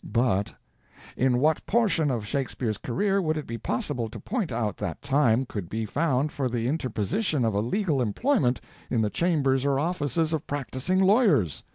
But "in what portion of Shakespeare's career would it be possible to point out that time could be found for the interposition of a legal employment in the chambers or offices of practicing lawyers?...